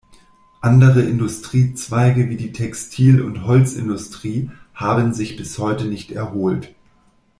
Andere Industriezweige wie die Textil- und Holzindustrie haben sich bis heute nicht erholt.